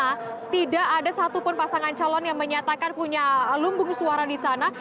karena tidak ada satupun pasangan calon yang menyatakan punya lumbung suara di sana